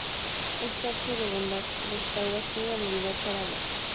Este acto de bondad restaura su habilidad para hablar.